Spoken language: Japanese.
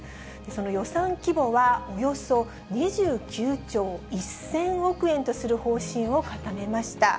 その予算規模はおよそ２９兆１０００億円とする方針を固めました。